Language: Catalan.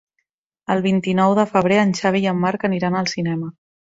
El vint-i-nou de febrer en Xavi i en Marc aniran al cinema.